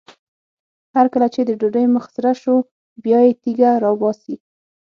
هر کله چې د ډوډۍ مخ سره شو بیا یې تیږه راباسي.